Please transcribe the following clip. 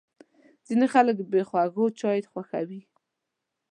ځینې خلک بې خوږو چای خوښوي.